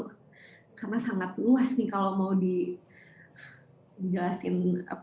karena sangat luas nih kalau mau dijelasin apa